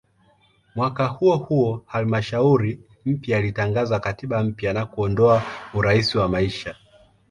Mwaka huohuo halmashauri mpya ilitangaza katiba mpya na kuondoa "urais wa maisha".